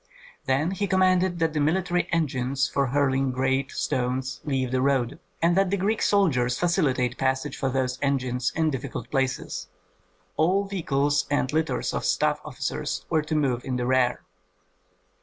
Then he commanded that the military engines for hurling great stones leave the road, and that the Greek soldiers facilitate passage for those engines in difficult places. All vehicles and litters of staff officers were to move in the rear.